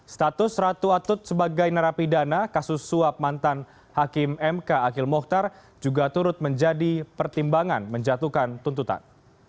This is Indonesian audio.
status ratu atut sebagai narapidana kasus suap mantan hakim mk akhil mohtar juga turut menjadi pertimbangan menjatuhkan tuntutan